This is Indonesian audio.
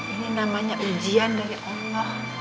ini namanya ujian dari allah